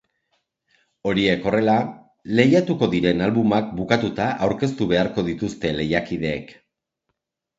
Horiek horrela, lehiatuko diren albumak bukatuta aurkeztu beharko dituzte lehiakideek.